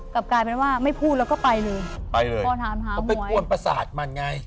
กลับกลายเป็นว่าไม่พูดแล้วก็ไปเลยไปเลยพอถามหาก็ไปกวนประสาทมันไง